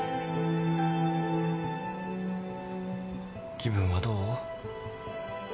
気分はどう？